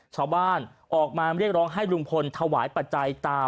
ชาวบ้านออกมาเรียกร้องให้ลุงพลถวายปัจจัยตา